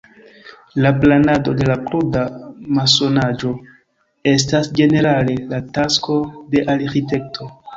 La planado de la kruda masonaĵo estas ĝenerale la tasko de arĥitekto.